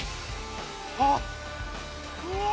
ああうわ